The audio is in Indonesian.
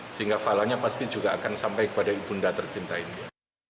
sehingga fahlanya pasti juga akan sampai kepada ibunda tercintainya